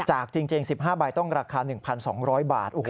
จริง๑๕ใบต้องราคา๑๒๐๐บาท